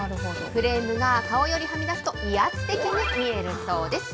フレームが顔よりはみ出すと、威圧的に見えるそうです。